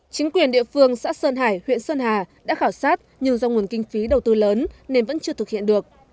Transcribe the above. chính quyền địa phương xã sơn hải huyện sơn hà đã khảo sát nhưng do nguồn kinh phí đầu tư lớn nên vẫn chưa thực hiện được